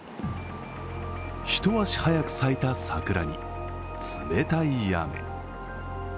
一足早く咲いた桜に冷たい雨。